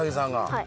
はい。